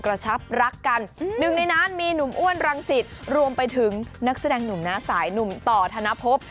ชับรักกันหนึ่งในนั้นมีหนุ่มอ้วนรังสิตรวมไปถึงนักแสดงหนุ่มหน้าสายหนุ่มต่อธนภพ